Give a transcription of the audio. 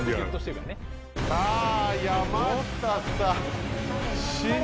さあ山下さん